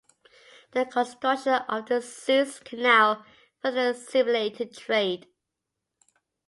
The construction of the Suez Canal further stimulated trade.